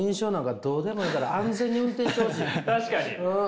確かに！